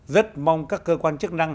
rất mong các cơ quan chức năng